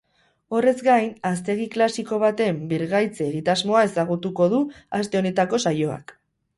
Horrez gain, haztegi klasiko baten birgaitze-egitasmoa ezagutuko du aste honetako saioak.